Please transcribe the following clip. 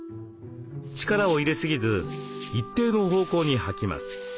力を入れすぎず一定の方向にはきます。